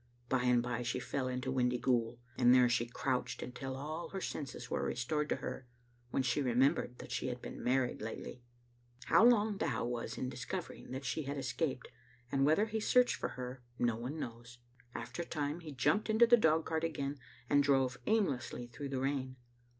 By and by she fell into Windy ghoul, and there she crouched until all her senses were restored to her, when she remembered that she had been married lately. How long Dow was in discovering that she had es caped, and whether he searched for her, no one knows. After a time he jumped into the dogcart again, and drove aimlessly through the rain.